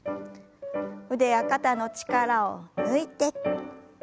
腕や肩の力を抜いて。